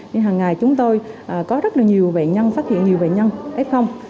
nhưng hằng ngày chúng tôi có rất là nhiều bệnh nhân phát hiện nhiều bệnh nhân f